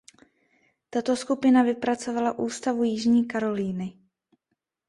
Tato skupina vypracovala ústavu Jižní Karolíny.